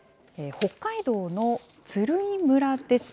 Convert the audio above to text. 北海道の鶴居村です。